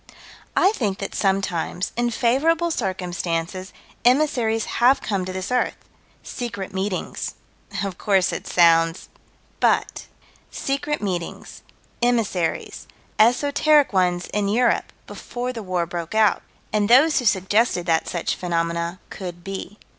I think that sometimes, in favorable circumstances, emissaries have come to this earth secret meetings Of course it sounds But: Secret meetings emissaries esoteric ones in Europe, before the war broke out And those who suggested that such phenomena could be.